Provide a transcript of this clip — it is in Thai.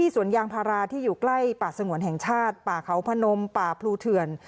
สัญชาติป่าเขาพนมป่าพลูเถื่อน